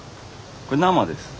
これ生です。